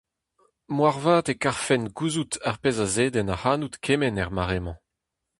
Moarvat e karfent gouzout ar pezh a zedenn ac'hanout kement er mare-mañ.